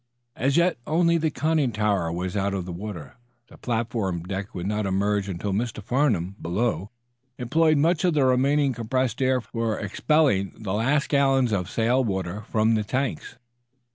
As yet only the conning tower was out of water. The platform deck would not emerge until Mr. Farnum, below, employed much of the remaining compressed air for expelling the last gallons of sail water from the tanks.